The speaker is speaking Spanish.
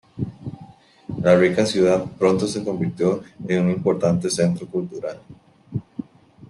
La rica ciudad pronto se convirtió en un importante centro cultural.